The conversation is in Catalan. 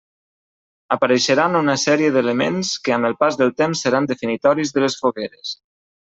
Apareixeran una sèrie d'elements que amb el pas del temps seran definitoris de les Fogueres.